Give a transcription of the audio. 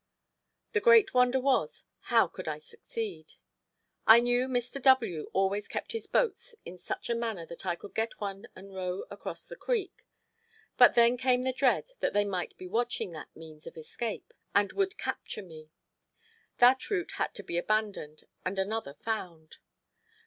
The great wonder was, how could I succeed. I knew Mr. W. always kept his boats in such a manner that I could get one and row across the creek; but then came the dread that they might be watching that means of escape and would capture me. That route had to be abandoned and another found.